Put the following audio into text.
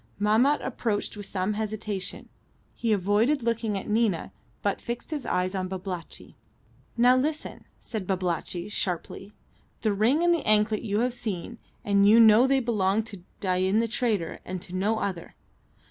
Mahmat approached with some hesitation. He avoided looking at Nina, but fixed his eyes on Babalatchi. "Now, listen," said Babalatchi, sharply. "The ring and the anklet you have seen, and you know they belonged to Dain the trader, and to no other.